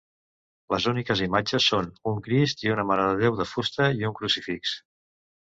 Les úniques imatges són un Crist i una marededéu de fusta, i un crucifix.